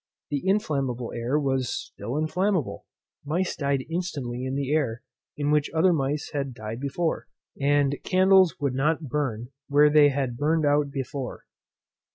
The inflammable air was still inflammable, mice died instantly in the air in which other mice had died before, and candles would not burn where they had burned out before.